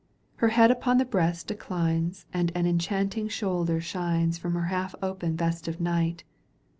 Her head upon her breast declines And an enchanting shoulder shines From her half open vest of night.